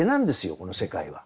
この世界は。